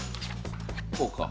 こうか。